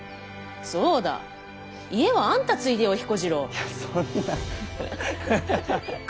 いやそんな。